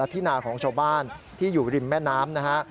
ที่นาของชาวบ้านที่อยู่ริมแม่น้ำนะฮะ